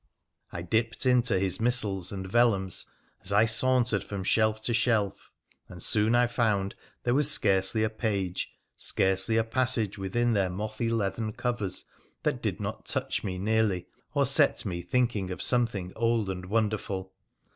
I dipped into his missals and vellums as I sauntered from shelf to shelf, and soon I found there was scarcely a page, scarcely a passage within their mothy leathern covers that did not touch me nearly, or set me thinking of something old and wonderful.